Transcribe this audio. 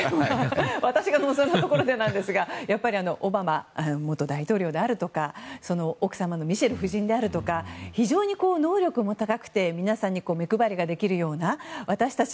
私が望んだところでなんですがやっぱりオバマ元大統領であるとかその奥様のミシェル夫人であるとか非常に能力も高くて皆さんに目配りができるような私たち